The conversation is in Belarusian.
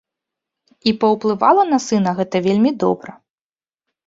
І паўплывала на сына гэта вельмі добра.